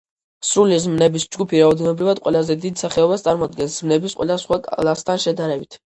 სრული ზმნების ჯგუფი რაოდენობრივად ყველაზე დიდ სახეობას წარმოადგენს ზმნების ყველა სხვა კლასთან შედარებით.